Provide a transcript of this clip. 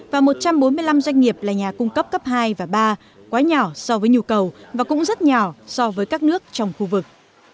và ba doanh nghiệp là nhà cung cấp cấp hai và ba quá nhỏ so với nhu cầu và cũng rất nhỏ so với các nước trong khu vực